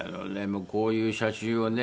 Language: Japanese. こういう写真をね